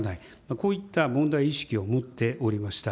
こういった問題意識を持っておりました。